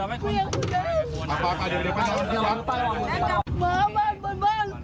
ป้าป้าอยู่ดีป้าแมว